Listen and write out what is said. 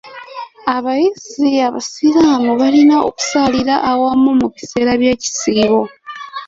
Abayizi abasiraamu balina okusaalira awamu mu biseera by'ekisiibo.